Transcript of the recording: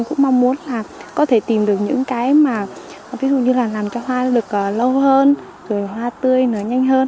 em cũng mong muốn là có thể tìm được những cái mà ví dụ như là làm cho hoa được lâu hơn rồi hoa tươi nở nhanh hơn